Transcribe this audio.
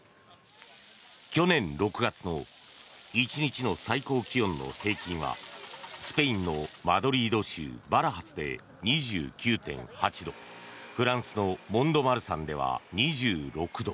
去年６月の１日の最高気温の平均はスペインのマドリード州バラハスで２９．８度フランスのモンドマルサンでは２６度。